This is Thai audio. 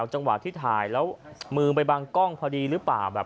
จังหวะที่ถ่ายแล้วมือไปบังกล้องพอดีหรือเปล่า